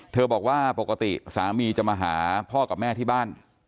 บอกว่าปกติสามีจะมาหาพ่อกับแม่ที่บ้าน